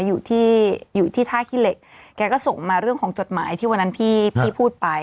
อยู่ที่อยู่ที่ท่าขี้เหล็กแกก็ส่งมาเรื่องของจดหมายที่วันนั้นพี่พี่พูดไป